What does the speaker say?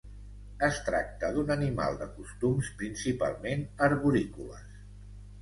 Es tracta d'un animal de costums principalment arborícoles.